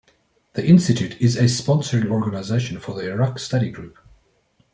The institute is a sponsoring organization for the Iraq Study Group.